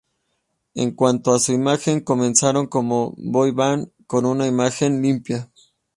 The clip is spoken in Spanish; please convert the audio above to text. En cuanto a su imagen, comenzaron como boyband con una imagen limpia.